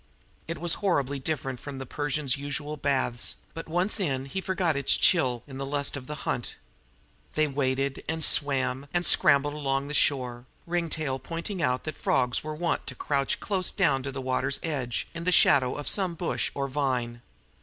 It was horribly different from the Persian's usual baths, but, once in he forgot its chill in the lust of the hunt. They waded and swam and scrambled along the shore, Ringtail pointing out that frogs were wont to crouch close down by the water's edge in the shadow of some bush or vine.